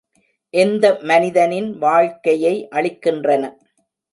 எந்த மனிதனின் வாழ்க்கையை அழிக்கின்றன?